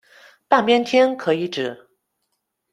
半边天可以指：